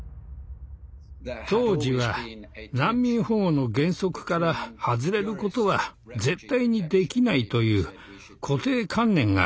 当時は難民保護の原則から外れることは絶対にできないという固定観念がありました。